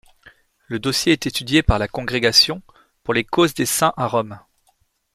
Le dossier est étudié par la Congrégation pour les causes des Saints à Rome.